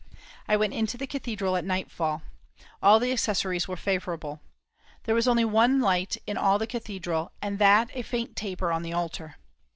I went into the cathedral at nightfall. All the accessories were favourable. There was only one light in all the cathedral, and that a faint taper on the altar.